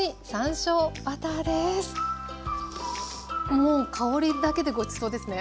もう香りだけでごちそうですね。